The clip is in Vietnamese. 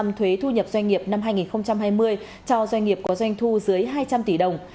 nghị quyết giảm ba mươi thu nhập doanh nghiệp năm hai nghìn hai mươi cho doanh nghiệp có doanh thu dưới hai trăm linh tỷ đồng